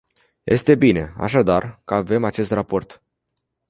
Este bine, așadar, că avem acest raport.